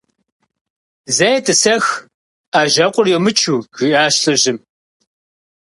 «Зэ етӏысэх, ӏэжьэкъур йумычу», жиӏащ лӏыжьым.